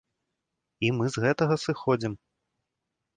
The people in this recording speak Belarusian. І мы з гэтага сыходзім.